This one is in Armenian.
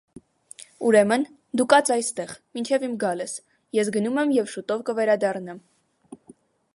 Ուրեմն, դու կաց այստեղ, մինչև իմ գալս, ես գնում եմ և շուտով կվերադառնամ: